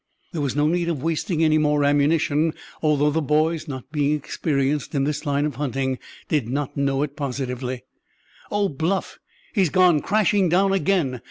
There was no need of wasting any more ammunition, although the boys, not being experienced in this line of hunting, did not know it positively. "Oh, Bluff, he's gone crashing down again!"